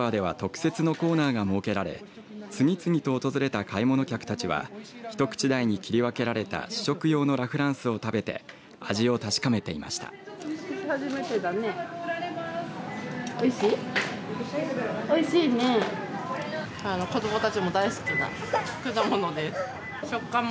山形市内のスーパーでは特設のコーナーが設けられ次々と訪れた買い物客たちは一口大に切り分けられた試食用のラ・フランスを食べて味を確かめていました。